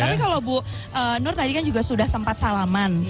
tapi kalau bu nur tadi kan juga sudah sempat salaman